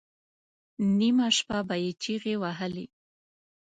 نیمه شپه به یې چیغې وهلې.